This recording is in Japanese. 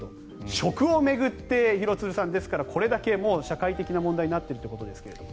食を巡って廣津留さんですからこれだけ社会的な問題になっているということですが。